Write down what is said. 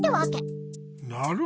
なるほど。